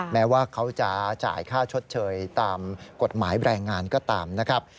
แม้ว่าเขาจะจ่ายค่าชดเชยตามกฎหมายแรงงานก็ตามนะครับ